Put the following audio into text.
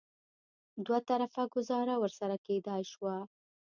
دوه طرفه ګوزاره ورسره کېدای شوه.